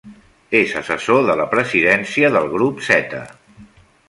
És assessor de la presidència del Grup Zeta.